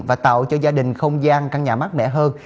và tạo cho gia đình không gian căn nhà mát mẻ hơn